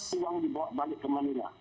uang dibawa balik ke manila